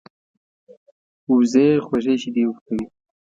وزې خوږې شیدې ورکوي